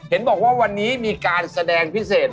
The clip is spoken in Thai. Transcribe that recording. เห็นบอกว่าวันนี้มีการแสดงพิเศษ